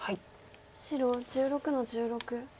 白１６の十六。